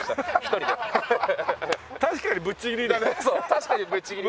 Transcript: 確かにぶっちぎり。